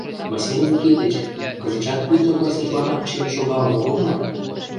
Василий Никитыч, кызытшат пуйто концертланак чиен шогалын огыл мо?